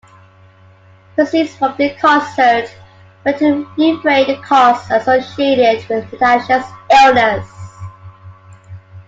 Proceeds from the concert went to defray the costs associated with Natasha's illness.